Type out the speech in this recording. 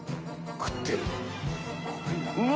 食ってる。